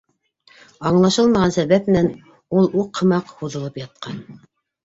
Аңлашылмаған сәбәп менән ул уҡ һымаҡ һуҙылып ятҡан.